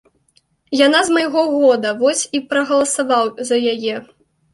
Яна з майго года, вось і прагаласаваў за яе.